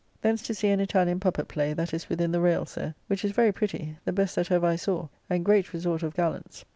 Thence to see an Italian puppet play that is within the rayles there, which is very pretty, the best that ever I saw, and great resort of gallants.